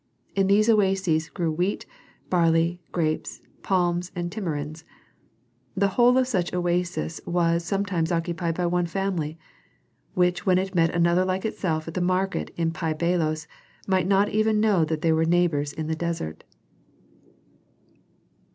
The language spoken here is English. In these oases grew wheat, barley, grapes, palms, and tamarinds. The whole of such an oasis was sometimes occupied by one family, which when it met another like itself at the market in Pi Bailos might not even know that they were neighbors in the desert.